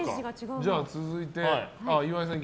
じゃあ、続いて岩井さん。